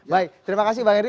baik terima kasih bang edi